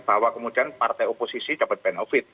bahwa kemudian partai oposisi dapat benefit